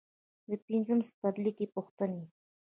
د پنځم څپرکي پوښتنې.